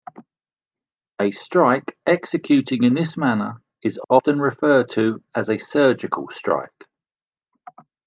A strike executing in this manner is often referred to as a surgical strike.